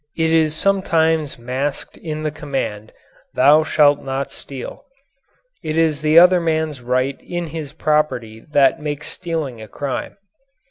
It is sometimes masked in the command, "Thou shalt not steal." It is the other man's right in his property that makes stealing a crime.